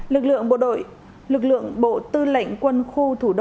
lực lượng bộ đội lực lượng bộ tư lệnh quân khu thủ đô